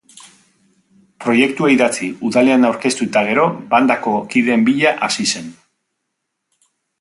Proiektua idatzi, udalean aurkeztu eta gero bandako kideen bila hasi zen.